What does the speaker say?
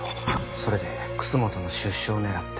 それで楠本の出所を狙って。